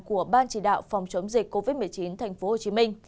của ban chỉ đạo phòng chống dịch covid một mươi chín tp hcm